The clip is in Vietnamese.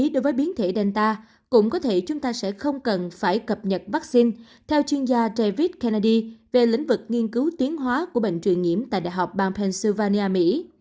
đối với biến thể danta cũng có thể chúng ta sẽ không cần phải cập nhật vaccine theo chuyên gia travis kennedy về lĩnh vực nghiên cứu tuyến hóa của bệnh truyền nhiễm tại đại học bang pennsylvania mỹ